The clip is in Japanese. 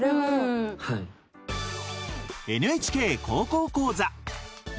「ＮＨＫ高校講座」。